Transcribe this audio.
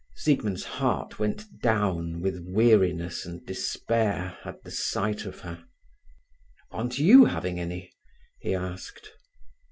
Siegmund's heart went down with weariness and despair at the sight of her. "Aren't you having any?" he asked.